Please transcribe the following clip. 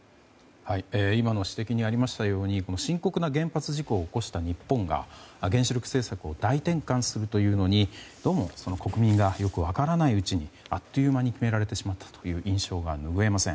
今の指摘にありましたように深刻な原発事故を起こした日本が原子力政策を大転換するというのにどうも、その国民がよく分からないうちにあっという間に決められてしまったという印象が拭えません。